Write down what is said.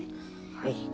はい。